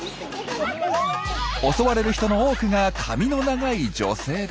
襲われる人の多くが髪の長い女性です。